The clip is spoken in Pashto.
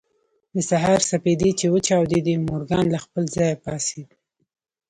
د سهار سپېدې چې وچاودېدې مورګان له خپل ځايه پاڅېد.